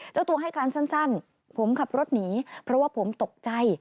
เจ้าตัวให้การสั้นผมขับรถหนีเพราะว่าผมตกใจ